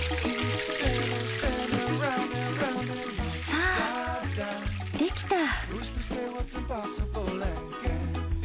さあできた。